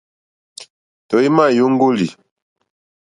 Tɔ̀ímá !yóŋɡólì.